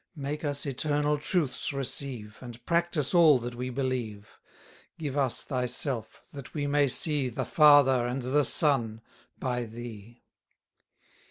Make us eternal truths receive, And practise all that we believe: Give us thyself, that we may see The Father, and the Son, by thee.